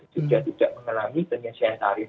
sudah tidak mengalami penyesuaian tarif